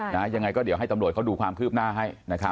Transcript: ยังไงก็เดี๋ยวให้ตำรวจเขาดูความคืบหน้าให้